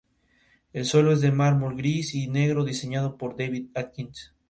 El suelo es de mármol gris y negro diseñado por David Atkins.